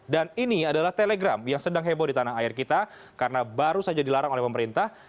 dan ini adalah telegram yang sedang heboh di tanah air kita karena baru saja dilarang oleh pemerintah